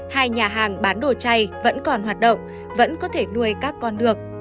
hai nhà hàng bán đồ chay vẫn còn hoạt động vẫn có thể nuôi các con được